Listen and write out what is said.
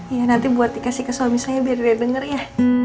iya nanti buat dikasih ke suami saya biar dia dengar ya